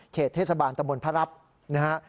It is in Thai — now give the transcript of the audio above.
เขตเทศบาลตำบลพระรับนะฮะ